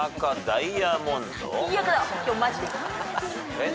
えっ？